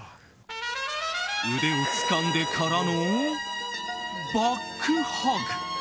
腕をつかんでからのバックハグ。